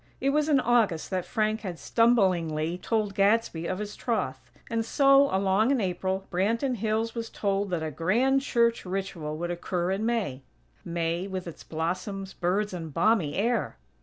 It was in August that Frank had stumblingly told Gadsby of his troth; and so, along in April, Branton Hills was told that a grand church ritual would occur in May. May, with its blossoms, birds and balmy air!